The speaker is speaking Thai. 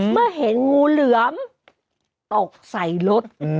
เมื่อเห็นงูเหลือมตกใส่รถ